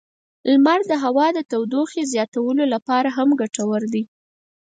لمر د هوا د تودوخې زیاتولو لپاره هم ګټور دی.